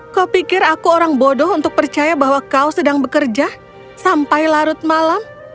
kau pikir aku orang bodoh untuk percaya bahwa kau sedang bekerja sampai larut malam